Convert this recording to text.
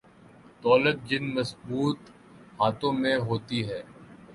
دولت جن مضبوط ہاتھوں میں ہوتی ہے۔